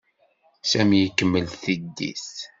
Sami ikemmel tiddit.